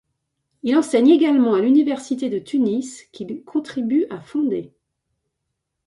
Il enseigne également à l'université de Tunis qu'il contribue à fonder.